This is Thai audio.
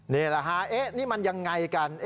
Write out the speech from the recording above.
นี่แหละฮะนี่มันยังไงกัน